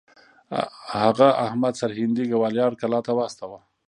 هغه احمد سرهندي ګوالیار کلا ته واستوه.